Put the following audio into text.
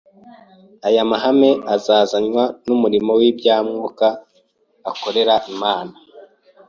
ayo mahame azazanwa mu murimo w’ibya Mwuka akorera Imana